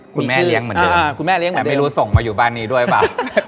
คุณแม่เลี้ยงเหมือนเดิมแต่ไม่รู้ส่งมาอยู่บ้านนี้ด้วยหรือเปล่า